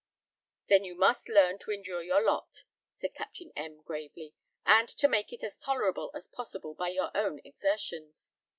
"Then you must learn to endure your lot," said Captain M , gravely, "and to make it as tolerable as possible by your own exertions.